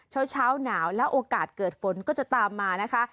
เช้าหนาวแล้วโอกาสเกิดฝนก็จะตามมานะคะ